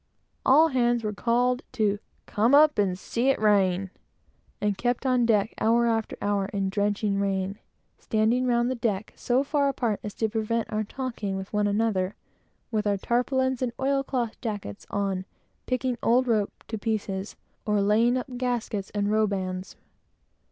All hands were called to "come up and see it rain," and kept on deck hour after hour in a drenching rain, standing round the deck so far apart as to prevent our talking with one another, with our tarpaulins and oil cloth jackets on, picking old rope to pieces, or laying up gaskets and robands.